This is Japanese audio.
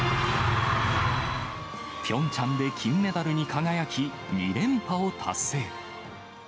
ピョンチャンで金メダルに輝き、２連覇を達成。